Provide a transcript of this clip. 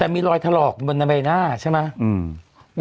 แต่มีรอยทะหรอกบนในใบหน้าใช่มั้ย